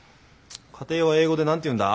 家庭は英語で何ていうんだ？